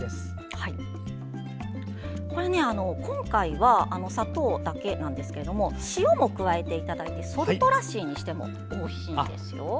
今回は砂糖だけなんですが塩も加えていただいてソルトラッシーにしてもおいしいですよ。